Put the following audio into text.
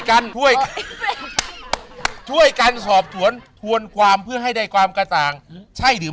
กันช่วยช่วยกันสอบสวนทวนความเพื่อให้ได้ความกระจ่างใช่หรือ